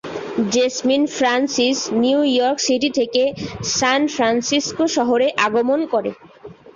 Jasmine Francis New York City থেকে San Francisco শহরে আগমন করে।